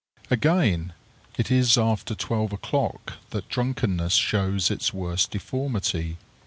Again, it is after twelve o'clock that drunkenness shows its worst deformity!